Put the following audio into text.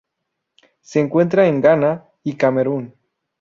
Se encuentra en Ghana y Camerún.